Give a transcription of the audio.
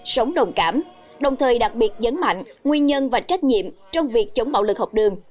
sống đồng cảm đồng thời đặc biệt nhấn mạnh nguyên nhân và trách nhiệm trong việc chống bạo lực học đường